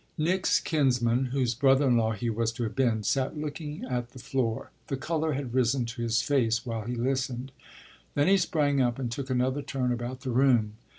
Nick's kinsman, whose brother in law he was to have been, sat looking at the floor; the colour had risen to his face while he listened. Then he sprang up and took another turn about the room.